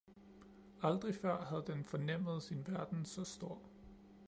Aldrig før havde den fornemmet sin verden så stor